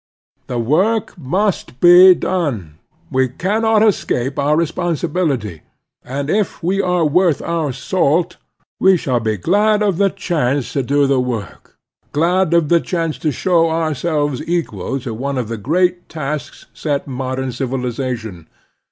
The work mt^ust be.dpne ; we cannot escape our responsjbifity ; and if we are worth otir salt, we shall be glad of the chance to do the work — glad of the chance to show ourselves equal to one of the great tasks set modem civilization.